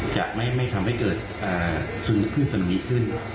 จะไม่ทำให้เกิดสนุนิขึ้นสนุนีขึ้น